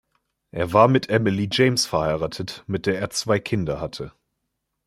Er war mit Emily James verheiratet, mit der er zwei Kinder hatte.